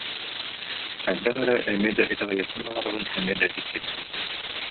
Хайдах эрэ эмиэ да итэҕэйиэхпин баҕарабын, эмиэ да дьиксинэбин